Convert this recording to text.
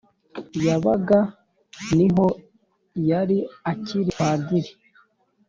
yabaga ni ho yari akiri Padiri